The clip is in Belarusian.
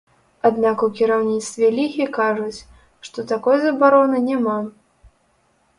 Аднак у кіраўніцтве лігі кажуць, што такой забароны няма.